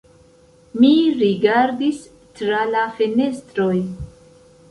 Mi rigardis tra la fenestroj.